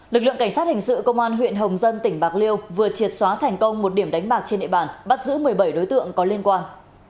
lực lượng cảnh sát hình sự công an huyện hồng dân tỉnh bạc liêu vừa triệt xóa thành công một điểm đánh bạc trên địa bàn bắt giữ một mươi bảy đối tượng có liên quan